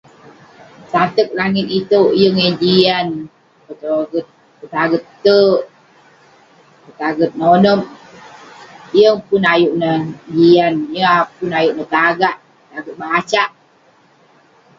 Tateq langit iteuk, yeng eh jian. Petoget- petaget tek. Petaget nonep. Yeng pun ayuk neh jian, yeng a- pun ayuk neh tagak. Taget bacak.